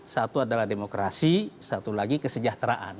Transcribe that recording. satu adalah demokrasi satu lagi kesejahteraan